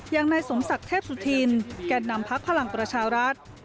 อย่างนายสมศักดิ์เทพสุธินแก่นำพักพลังประชารัฐ